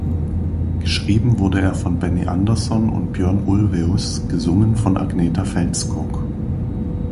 Geschrieben wurde er von Benny Andersson und Björn Ulvaeus, gesungen von Agnetha Fältskog.